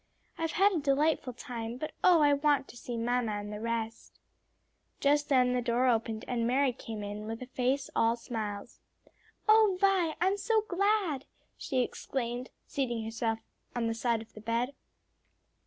"I've had a delightful time, but oh I want to see mamma and the rest!" Just then the door opened and Mary came in with a face all smiles. "O Vi, I'm so glad!" she exclaimed, seating herself on the side of the bed.